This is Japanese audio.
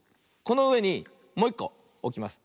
このうえにもういっこおきます。